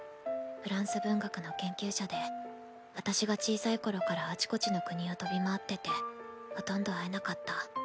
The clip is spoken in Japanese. フランス文学の研究者で私が小さい頃からあちこちの国を飛び回っててほとんど会えなかった。